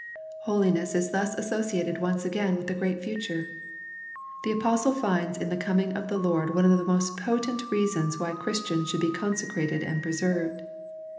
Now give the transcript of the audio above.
Holi ness is thus associated once again with the great future. The Apostle finds in the coming of the Lord one of the most potent reasons why Christians should be consecrated and preserved.